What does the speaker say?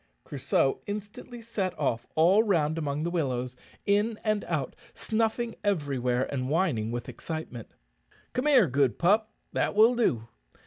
Crusoe instantly set off all round among the willows, in and out, snuffing everywhere, and whining with excitement. "Come here, good pup; that will do.